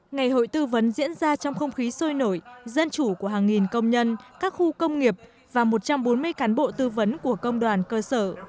ngày hội tư vấn diễn ra trong không khí sôi nổi dân chủ của hàng nghìn công nhân các khu công nghiệp và một trăm bốn mươi cán bộ tư vấn của công đoàn cơ sở